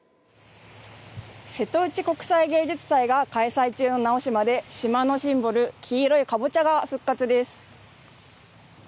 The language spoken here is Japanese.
瀬戸内国際芸術祭が開催中の直島で島のシンボル黄色い南瓜が復活です。